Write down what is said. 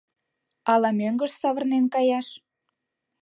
Ала мӧҥгыш савырнен каяш?